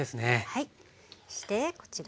はい。